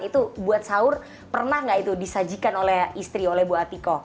itu buat sahur pernah nggak itu disajikan oleh istri oleh bu atiko